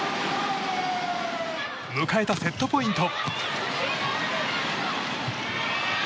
迎えたセットポイント。